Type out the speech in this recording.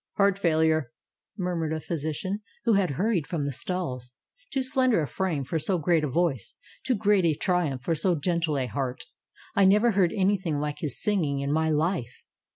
Heart failure," murmured a physician, who had hurried from the stalls. ^^Too slender a frame for so great a voice; too great a triumph for so gentle a heart. I never heard anything like his singing in my life."